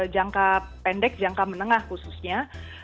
jangka pendek jangka menengah khususnya